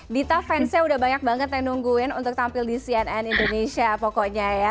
dita fansnya udah banyak banget yang nungguin untuk tampil di cnn indonesia pokoknya ya